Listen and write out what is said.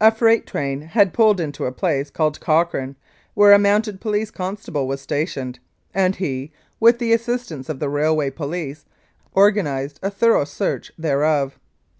A freight train had pulled into a place called Cochrane, where a Mounted Police constable was stationed, and he, with the assistance of the railway police, organised a thorough search thereof.